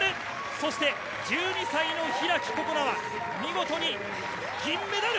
そして１２歳の開心那は見事に銀メダル。